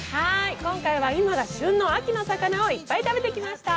今回は、今が旬の秋の魚をいっぱい食べてきました。